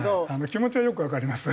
気持ちはよくわかります。